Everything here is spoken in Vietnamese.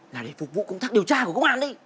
là để phục vụ công tác điều tra của công an ấy